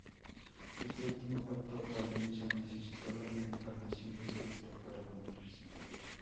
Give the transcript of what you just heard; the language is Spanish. Este último pacto o alianza necesitaba la encarnación de Cristo para cumplirse.